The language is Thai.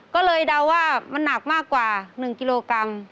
ก็เลยเดาว่ามันหนักมากกว่า๑กิโลกรัม